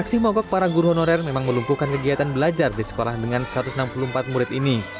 aksi mogok para guru honorer memang melumpuhkan kegiatan belajar di sekolah dengan satu ratus enam puluh empat murid ini